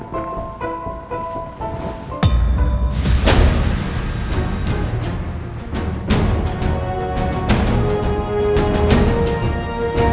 biar gak telat